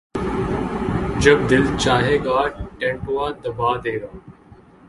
جب دل چاھے گا ، ٹنٹوا دبا دے گا